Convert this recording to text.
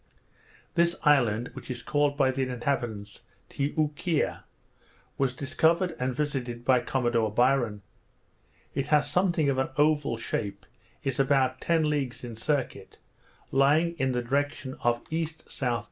This island, which is called by the inhabitants Ti oo kea, was discovered and visited by Commodore Byron. It has something of an oval shape, is about ten leagues in circuit, lying in the direction of E.S.E.